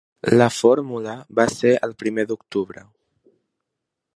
La fórmula va ser el primer d’octubre.